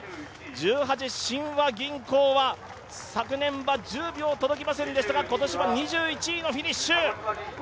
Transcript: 十八親和銀行は昨年は１０秒届きませんでしたが今年は２１位のフィニッシュ。